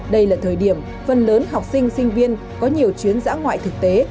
đây là thời điểm phần lớn học sinh sinh viên có nhiều chuyến giã ngoại thực tế